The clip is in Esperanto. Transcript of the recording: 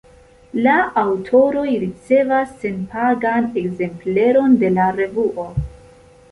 La aŭtoroj ricevas senpagan ekzempleron de la revuo.